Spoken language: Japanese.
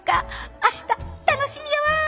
明日楽しみやわ。